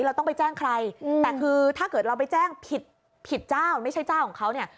เราต้องไปแจ้งใครแต่คือถ้าเกิดเราไปแจ้งผิดผิดเจ้าไม่ใช่เจ้าของเขาเนี่ย